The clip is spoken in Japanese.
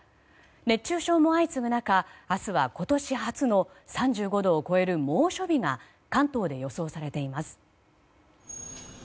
熱中症も相次ぐ中明日は今年初の３５度を超える猛暑日が関東で予想されています。